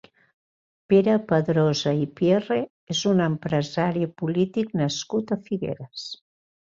Pere Padrosa i Pierre és un empresari i polític nascut a Figueres.